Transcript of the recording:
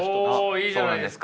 いいじゃないですか。